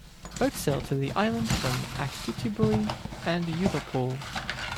Boats sail to the island from Achiltibuie and Ullapool.